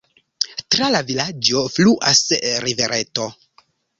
Tra la vilaĝo fluas rivereto.